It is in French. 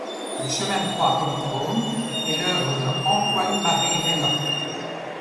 Le chemin de croix polychrome est l'œuvre de Antoine–Marie Raynolt.